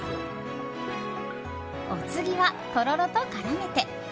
お次は、とろろと絡めて。